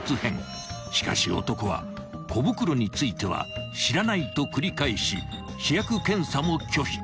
［しかし男は小袋については「知らない」と繰り返し試薬検査も拒否］